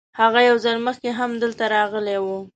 هغه یو ځل مخکې هم دلته راغلی و.